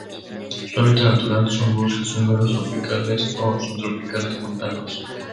Su hábitat natural son bosques húmedos tropicales o subtropicales montanos.